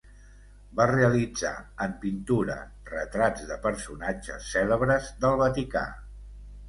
Va realitzar, en pintura, retrats de personatges cèlebres del Vaticà.